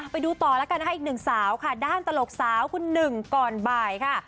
ไปดูต่อแล้วกันนะคะอีกหนึ่งสาวค่ะด้านตลกสาวคุณหนึ่งก่อนบ่ายค่ะ